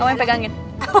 kamu yang pegangin